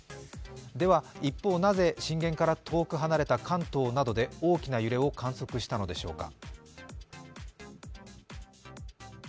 では一方、なぜ震源から遠く離れた関東などで大きな揺れを観測したのでしょうか？